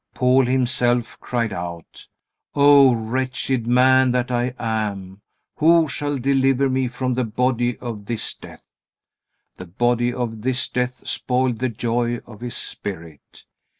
Paul himself cried out: "O wretched man that I am! Who shall deliver me from the body of this death?" The body of this death spoiled the joy of his spirit.